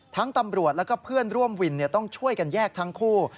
ตำรวจแล้วก็เพื่อนร่วมวินต้องช่วยกันแยกทั้งคู่